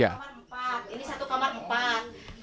ini satu kamar empat